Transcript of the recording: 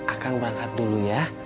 akang berangkat dulu ya